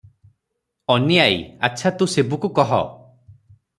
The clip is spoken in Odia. ଅନୀ ଆଈ - ଆଚ୍ଛା, ତୁ ଶିବୁକୁ କହ ।